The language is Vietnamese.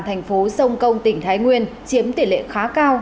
thành phố sông công tỉnh thái nguyên chiếm tỷ lệ khá cao